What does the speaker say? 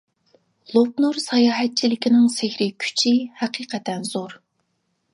لوپنور ساياھەتچىلىكىنىڭ سېھرى كۈچى ھەقىقەتەن زور.